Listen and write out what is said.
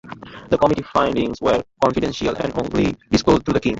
The committee findings were confidential and only disclosed to the king.